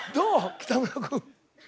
北村君。